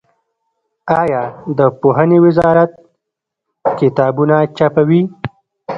آیا د پوهنې وزارت کتابونه چاپوي؟